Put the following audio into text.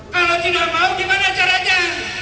kalau tidak mau gimana caranya